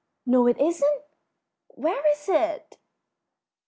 "No, it isn't!" "Where is it?"